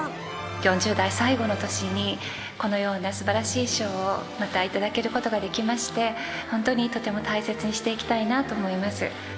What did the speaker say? ４０代最後の年にこのようなすばらしい賞をまた頂けることができまして、本当にとても大切にしていきたいなと思います。